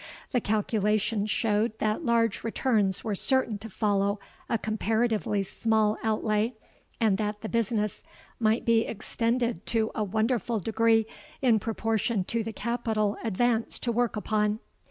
The calculations showed that large returns were certain to follow a comparatively small outlay, and that the business might be extended to a wonderful degree in proportion to the capital advanced to work upon.